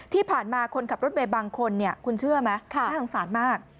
ที่ผ่านมาคนขับรถเมย์บางคนคุณเชื่อไหมน่าสงสารมาก